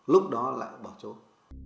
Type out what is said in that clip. lúc đó lại bỏ trốn